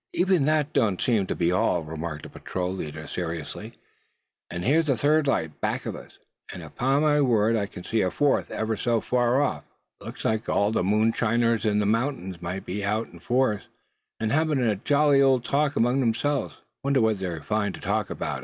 "Even that don't seem to be all," remarked the patrol leader, seriously. "Here's a third light back of us; and upon my word I can see a fourth ever so far off." "Looks like all the moonshiners in the mountains might be out in force, and having a jolly old talk among themselves. Wonder what they find to talk about?"